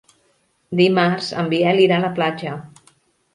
Dimarts en Biel irà a la platja.